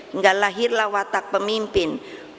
enggak lahirlah watak pemimpin